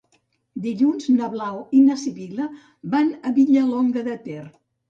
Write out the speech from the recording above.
Dilluns na Blau i na Sibil·la van a Vilallonga de Ter.